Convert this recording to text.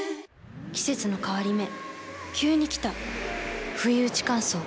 季節の変わり目急に来たふいうち乾燥。